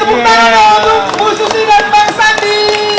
antara bu susi dan bang sandi